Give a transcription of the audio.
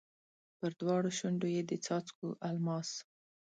پر دواړو شونډو یې د څاڅکو الماس